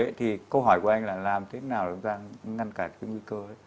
thế rồi ý thì câu hỏi của anh là làm thế nào để chúng ta ngăn cả cái nguy cơ